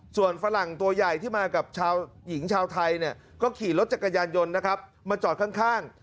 ส่วนฝรั่งตัวใหญ่ที่มากับหญิงชาวไทยเนี่ยก็ขี่รถจักรยานยนต์นะครับมาจอดข้าง